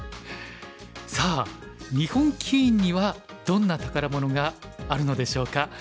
さあ日本棋院にはどんな宝物があるのでしょうか。